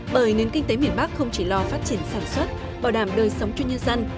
bởi nền kinh tế miền bắc không chỉ lo phát triển sản xuất bảo đảm đời sống cho nhân dân